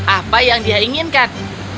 apa yang dia inginkan